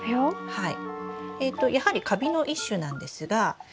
はい。